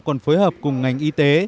còn phối hợp cùng ngành y tế